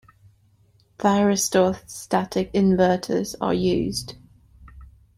Thyristor static inverters are used.